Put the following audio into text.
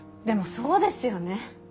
でもそうですよね。